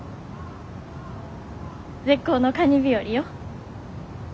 絶好のカニ日和よ。